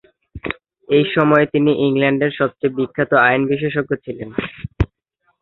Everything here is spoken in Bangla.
এই সময়ে, তিনি ইংল্যান্ডে সবচেয়ে বিখ্যাত আইন বিশেষজ্ঞ ছিলেন।